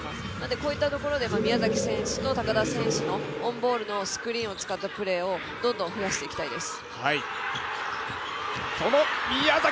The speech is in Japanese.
こういったところで宮崎選手と高田選手のオンボールとスクリーンを使ったプレーをどんどん増やしていきたいです。